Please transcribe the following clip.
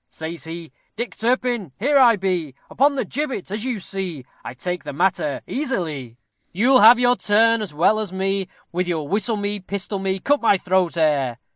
_" Says he, "Dick Turpin, here I be, Upon the gibbet, as you see; I take the matter easily; You'll have your turn as well as me, _With your whistle me, pistol me, cut my throat air!